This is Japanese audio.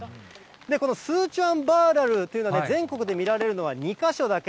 このスーチョワンバーラルというのは、全国で見られるのは２か所だけ。